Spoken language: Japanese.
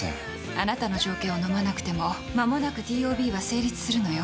あなたの条件をのまなくてもまもなくＴＯＢは成立するのよ。